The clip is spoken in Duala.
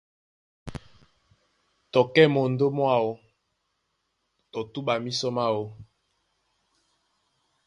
Tɔ kɛ́ mondó mwáō tɔ túɓa mísɔ máō.